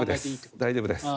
大丈夫です。